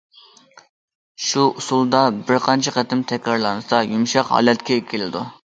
شۇ ئۇسۇلدا بىر قانچە قېتىم تەكرارلانسا يۇمشاق ھالەتكە كېلىدۇ.